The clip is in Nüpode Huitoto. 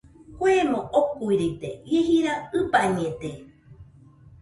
Kuemo okuiride, ie jira ɨbañede.